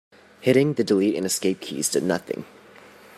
Hitting the delete and escape keys did nothing.